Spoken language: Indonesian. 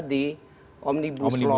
di omnibus law